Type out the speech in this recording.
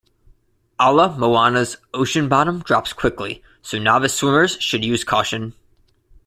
Ala Moana's ocean bottom drops quickly, so novice swimmers should use caution.